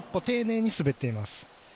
丁寧に滑っています。